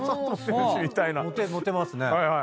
モテますね。